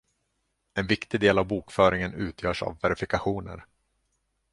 En viktig del av bokföringen utgörs av verifikationer.